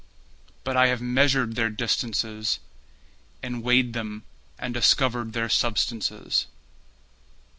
But I have measured their distances And weighed them and discovered their substances.